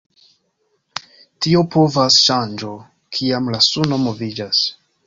Tio povas ŝanĝo kiam la suno moviĝas.